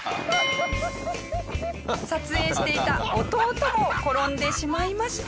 撮影していた弟も転んでしまいました。